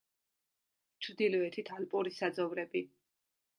ჩრდილოეთით ალპური საძოვრები.